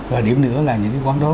và điểm nữa là những cái quán đó